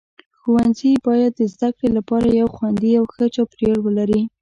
ښوونځي باید د زده کړې لپاره یو خوندي او ښه چاپیریال ولري.